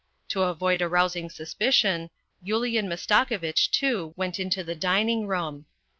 To avoid arousing suspicion, Yulian Mastakovitch, too, went into the dining room.